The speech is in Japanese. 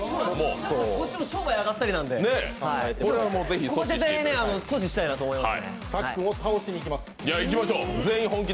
こっちも商売あがったりなんで、阻止したいなと思います。